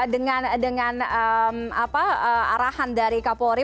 dengan arahan dari kapolri